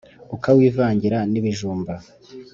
Ukawivangira n'ibijumba